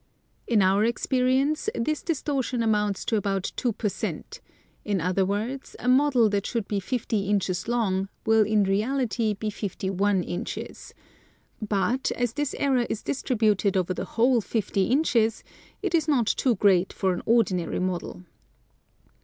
In our experience this distortion amounts to about two per cent. ; in other words, a model that should be fifty inches long will in reality be fifty one inches ; but, as this error is distributed over the whole fifty inches, it is not too great for an ordinary model.